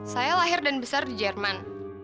saya lahir dan besar di jerman